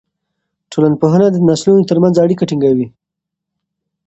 ټولنپوهنه د نسلونو ترمنځ اړیکه ټینګوي.